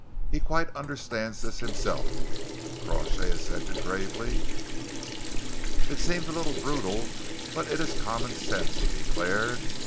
He quite understands this himself." Crawshay assented gravely. "It seems a little brutal but it is common sense," he declared.